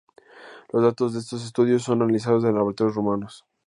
Los datos de esos estudios son analizados en laboratorios rumanos.